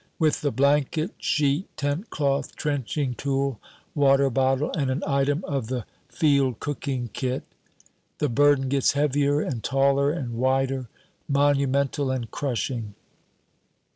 With the blanket, sheet, tentcloth, trenching tool, water bottle, and an item of the field cooking kit, [note 1] the burden gets heavier and taller and wider, monumental and crushing.